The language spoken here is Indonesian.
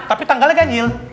tapi tanggalnya gajil